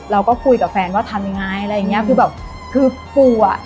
เราก็คุยกับแฟนว่าทำยังไงอะไรอย่างเงี้ยคือแบบคือปู่อ่ะ